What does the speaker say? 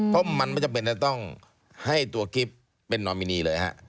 เพราะมันไม่จำเป็นจะต้องให้ตัวกิฟต์เป็นนอมินีเลยฮะ